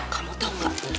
kamu tau gak